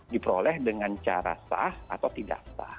diperoleh dengan cara sah atau tidak sah